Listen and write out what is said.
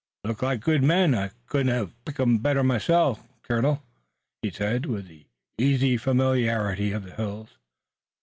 "Look like good men. I couldn't hev picked 'em better myself, colonel," he said, with the easy familiarity of the hills.